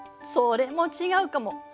それも違うかも。